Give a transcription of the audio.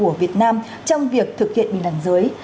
của việt nam trong việc thực hiện bình đẳng giới